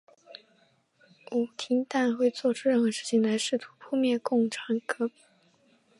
吴廷琰会作出任何事情来试图扑灭共产革命。